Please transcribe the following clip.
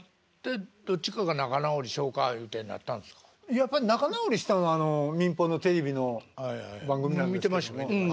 やっぱり仲直りしたのは民放のテレビの番組なんですけども。